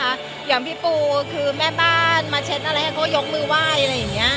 แสดงอย่างพี่ปูคือแม่บ้านมาเช็ดอะไรหากเขายกมือไหว้